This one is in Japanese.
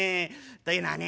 というのはね